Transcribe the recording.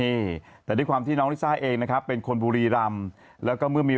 อีแท็กมันยังช่างหกเกลือพักก่อนเดี๋ยวกลับมาใหม่